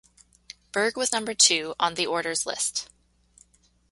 Berg was number two on The Order's list.